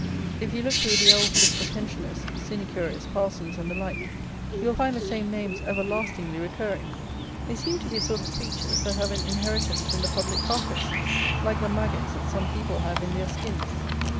If you look through the old list of pensioners, sinecurists, parsons, and the like, you will find the same names everlastingly recurring. They seem to be a sort of creatures that have an inheritance in the public carcass, like the maggots that some people have in their skins.